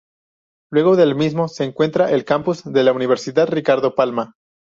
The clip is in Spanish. Luego del mismo se encuentra el campus de la Universidad Ricardo Palma.